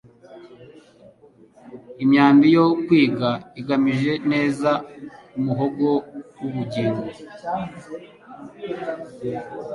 imyambi yo kwiga igamije neza kumuhogo wubugingo